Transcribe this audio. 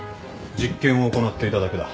実験を行っていただけだ。